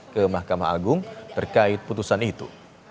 ke mahkamah agung terkait putusan itu